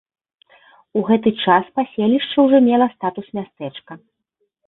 У гэты час паселішча ўжо мела статус мястэчка.